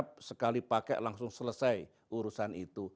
obat mujarab sekali pakai langsung selesai urusan itu